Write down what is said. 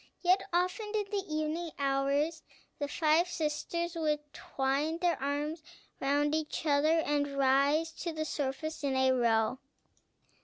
Yet often, in the evening hours, the five sisters would twine their arms round each other, and rise to the surface, in a row.